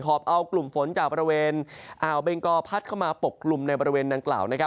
อบเอากลุ่มฝนจากบริเวณอ่าวเบงกอพัดเข้ามาปกกลุ่มในบริเวณดังกล่าว